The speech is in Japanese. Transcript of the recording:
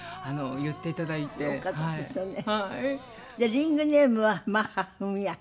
リングネームは「マッハ文朱」。